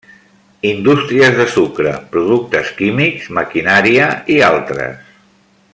Indústries de sucre, productes químics, maquinària i altres.